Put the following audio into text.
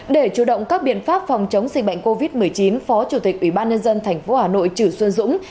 để chủ động các biện pháp phòng chống dịch bệnh covid một mươi chín phó chủ tịch ủy ban nhân dân tp hà nội trừ xuân dũng